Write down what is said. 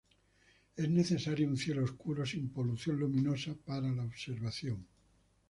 Es necesario un cielo oscuro, sin polución luminosa, para la observación.